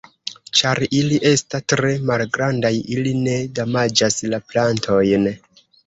Ĉar ili esta tre malgrandaj ili ne damaĝas la plantojn.